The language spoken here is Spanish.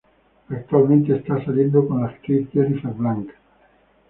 Actualmente está saliendo con la actriz Jennifer Blanc.